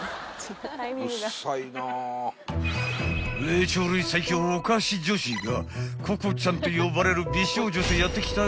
［霊長類最強おかし女子がココちゃんと呼ばれる美少女とやって来たがよ